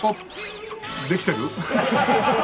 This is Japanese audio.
できてる？